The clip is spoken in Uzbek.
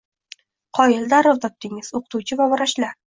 Qoyil, darrov topdingiz: o‘qituvchi va vrachlar.